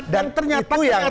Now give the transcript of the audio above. dan itu yang